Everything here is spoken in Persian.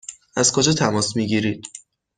از کجا تماس می گیرید؟